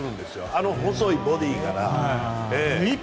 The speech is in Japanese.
あの細いボディーから。